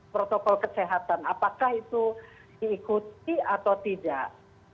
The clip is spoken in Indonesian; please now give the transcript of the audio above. protokol kesehatan apakah itu diikuti atau tidak